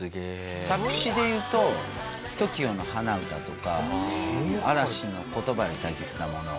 作詞でいうとＴＯＫＩＯの『花唄』とか嵐の『言葉より大切なもの』。